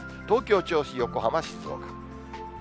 東京、銚子、横浜、静岡。